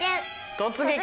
「突撃！